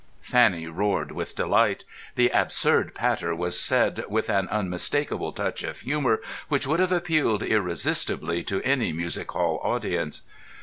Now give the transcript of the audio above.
Fanny roared with delight. The absurd patter was said with an unmistakable touch of humour which would have appealed irresistibly to any music hall audience.